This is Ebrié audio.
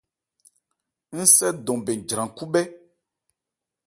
Ńsɛ ndɔn bɛn jran khúbhɛ́.